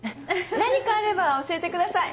何かあれば教えてください